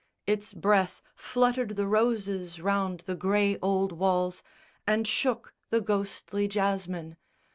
Its breath Fluttered the roses round the grey old walls, And shook the ghostly jasmine.